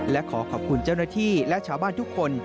และขอขอบคุณเจ้าหน้าที่และชาวบ้านทุกคน